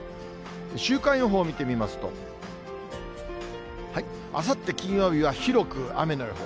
週間予報見てみますと、あさって金曜日は広く雨の予報。